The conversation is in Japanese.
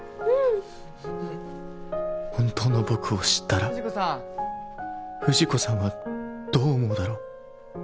本当の僕を知ったら藤子さんはどう思うだろう？